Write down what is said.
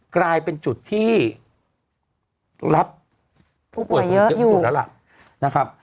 กลายเป็นจุดที่รับผู้ป่วยผู้เจ็บสุดแล้วล่ะ